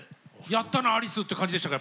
やったなアリスって感じでしたか？